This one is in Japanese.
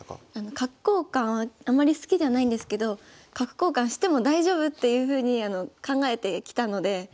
角交換はあまり好きじゃないんですけど角交換しても大丈夫っていうふうに考えてきたのでちょっとやってみました。